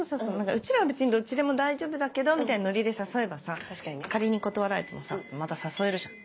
うちらは別にどっちでも大丈夫だけどみたいなノリで誘えばさ仮に断られてもさまた誘えるじゃん。